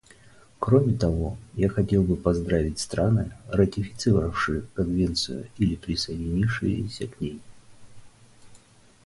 Кроме того, я хотел бы поздравить страны, ратифицировавшие Конвенцию или присоединившиеся к ней.